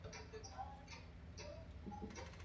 kusabisha kifo cha mtu mmoja huku wengine sabini na tatu